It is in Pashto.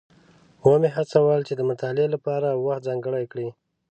ومې هڅول چې د مطالعې لپاره وخت ځانګړی کړي.